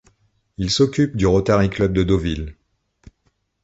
Il s'occupe du Rotary Club de Deauville.